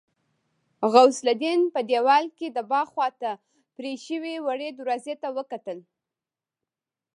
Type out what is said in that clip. غوث الدين په دېوال کې د باغ خواته پرې شوې وړې دروازې ته وکتل.